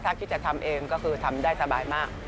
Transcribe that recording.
ถ้าคิดจะทำเองก็คือทำได้สบายมาก